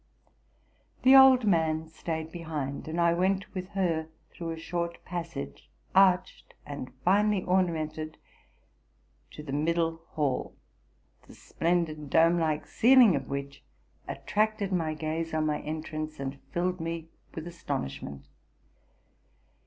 'The old man staid behind; and I went with her through a short passage, arched and finely ornamented, to the mid dle hall, the splendid, dome like ceiling of which attracted my gaze on my entrance, and filled me with astonishment.